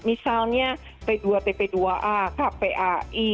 misalnya p dua tp dua a kpai